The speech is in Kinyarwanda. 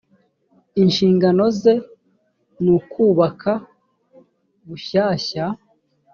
inshingano ze nukubaka bushyashya.